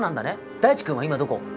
大地君は今どこ？